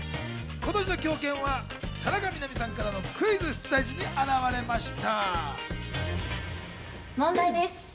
今年の狂犬は田中みな実さんからのクイズ出題時にあらわれました。